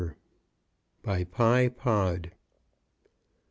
BY PYE POD.